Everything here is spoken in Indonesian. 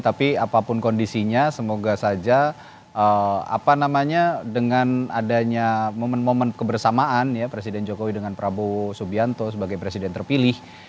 tapi apapun kondisinya semoga saja dengan adanya momen momen kebersamaan presiden jokowi dengan prabowo subianto sebagai presiden terpilih